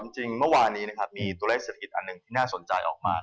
จริงเมื่อวานนี้มีตัวเลขเศรษฐกิจอันหนึ่งที่น่าสนใจออกมา